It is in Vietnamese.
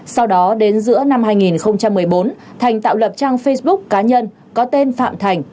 sau đó đến giữa năm hai nghìn một mươi bốn thành tạo lập trang facebook cá nhân có tên phạm thành